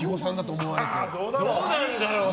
どうなんだろう？